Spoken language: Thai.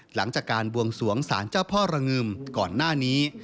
หลังจากการบวงสวงสารเจ้าพ่อระงึมก่อนหน้านี้